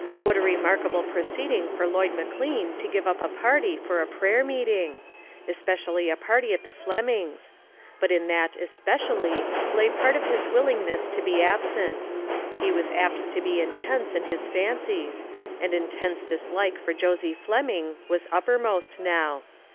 What a remarkable proceeding for Lloyd McLean to give up a party for a prayer meeting! Especially a party at the Flemings'. But in that "espe cially" lay part of his willingness to be absent. He was apt to be intense in his fancies, and intense dislike for Josie Flem ing was uppermost now.